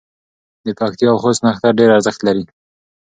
د پکتیا او خوست نښتر ډېر ارزښت لري.